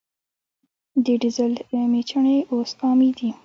د ډیزل میچنې اوس عامې دي.